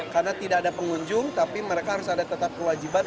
karena tidak ada pengunjung tapi mereka harus ada tetap kewajiban